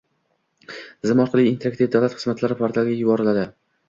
tizim orqali interaktiv davlat xizmatlari portaliga yuboriladi.